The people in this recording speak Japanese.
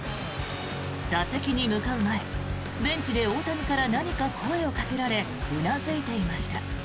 打席に向かう前ベンチで大谷から何か声をかけられうなずいていました。